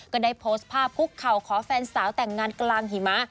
ก็ได้โพสต์ภาพคุกเข่าขอแฟนสาวแต่งงานกลางหิมะ